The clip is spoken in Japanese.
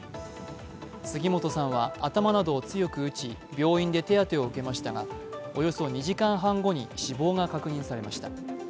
杉本さんは頭などを強く打ち病院で手当てを受けましたがおよそ２時間半後に死亡が確認されました。